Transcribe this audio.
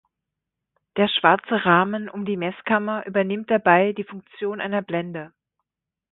Der schwarze Rahmen um die Messkammer übernimmt dabei die Funktion einer Blende.